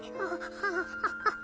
ハフハハハハ！